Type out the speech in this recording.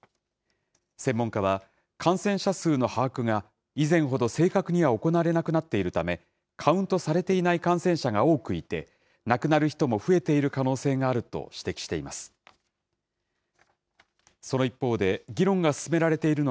専門家は、感染者数の把握が以前ほど正確には行われなくなっているため、カウントされていない感染者が多くいて、亡くなる人も増えている可能性があると指摘しています。